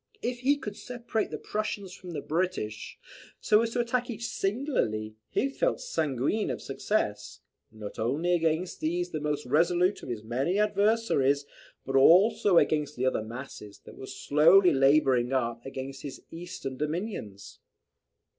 If he could separate the Prussians from the British, so as to attack each singly, he felt sanguine of success, not only against these the most resolute of his many adversaries, but also against the other masses, that were slowly labouring up against his eastern dominions.